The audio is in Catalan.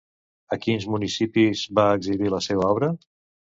A quins municipis va exhibir la seva obra?